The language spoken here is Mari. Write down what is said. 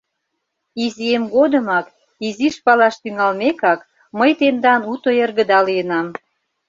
Изиэм годымак, изиш палаш тӱҥалмекак, мый тендан уто эргыда лийынам!..